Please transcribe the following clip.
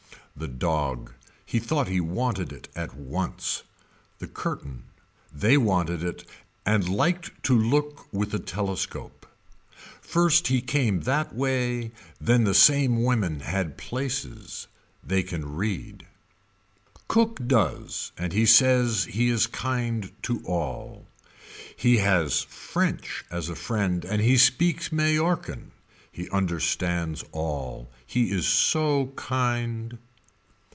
The dog. He thought he wanted it at once. The curtain. They wanted it and liked to look with a telescope. First he came that way then the same women had places. They can read. Cook does and he says and he is kind to all. He has french as a friend and he speaks Mallorcan. He understands all. He is so kind.